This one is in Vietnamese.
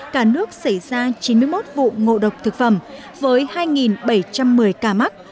cả nước xảy ra chín mươi một vụ ngộ độc thực phẩm với hai bảy trăm một mươi ca mắc